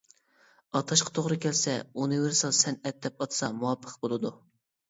ئاتاشقا توغرا كەلسە «ئۇنىۋېرسال سەنئەت» دەپ ئاتىسا مۇۋاپىق بولىدۇ.